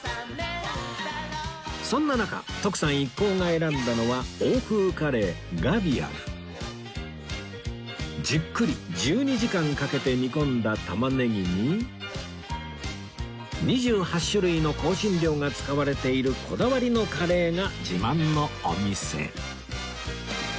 そんな中徳さん一行が選んだのはじっくり１２時間かけて煮込んだ玉ねぎに２８種類の香辛料が使われているこだわりのカレーが自慢のお店